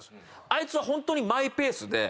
あいつはホントにマイペースで。